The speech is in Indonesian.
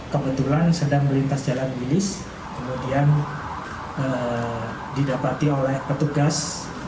kebetulan sedang melintas jalan wilis kemudian didapati oleh petugas